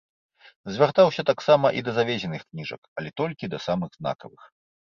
Звяртаўся таксама і да завезеных кніжак, але толькі да самых знакавых.